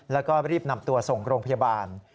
แล้วก็รีบนำตัวส่งโรงพยาบาล